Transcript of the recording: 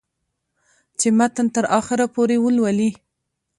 چې متن تر اخره پورې ولولي